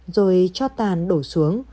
rồi cho tàn đổ xuống